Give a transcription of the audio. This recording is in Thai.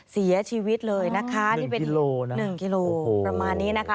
เสียชีวิตเลยนะคะ๑กิโลเมตรประมาณนี้นะคะ